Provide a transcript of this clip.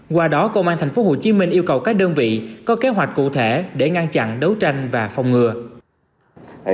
qua đó công an tp hcm yêu cầu các đơn vị có kế hoạch cụ thể để ngăn chặn đấu tranh và phòng ngừa